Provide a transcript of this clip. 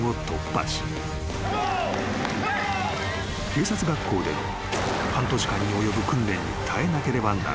［警察学校で半年間に及ぶ訓練に耐えなければならない］